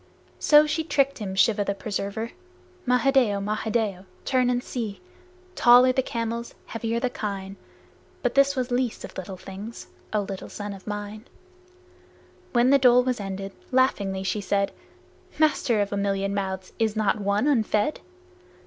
So she tricked him, Shiva the Preserver. Mahadeo! Mahadeo! Turn and see. Tall are the camels, heavy are the kine, But this was Least of Little Things, O little son of mine! When the dole was ended, laughingly she said, "Master, of a million mouths, is not one unfed?"